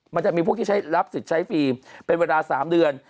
มันจะมีพวกที่ใช้รับสิทธิ์ใช้ฟิล์มเป็นเวลา๓เดือน